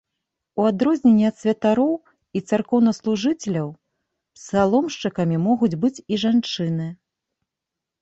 У адрозненне ад святароў і царкоўнаслужыцеляў, псаломшчыкамі могуць быць і жанчыны.